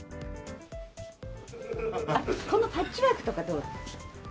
あっこのパッチワークとかどうですか？